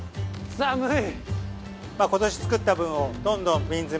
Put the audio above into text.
◆寒い。